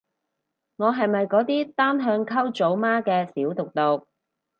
我係咪嗰啲單向溝組媽嘅小毒毒